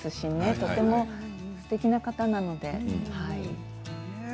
とてもすてきな方なので。